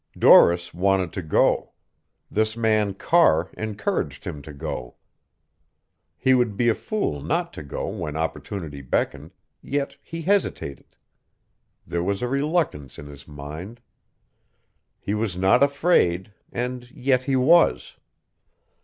Doris wanted to go; this man Carr encouraged him to go. He would be a fool not to go when opportunity beckoned, yet he hesitated; there was a reluctance in his mind. He was not afraid, and yet he was.